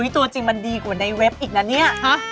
ตัวจริงมันดีกว่าในเว็บอีกนะเนี่ย